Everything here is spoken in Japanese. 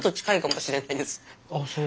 あっそう。